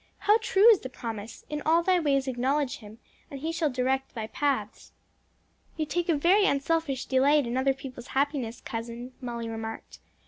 How true is the promise, 'In all thy ways acknowledge him, and he shall direct thy paths.'" "You take a very unselfish delight in other people's happiness, cousin," Molly remarked.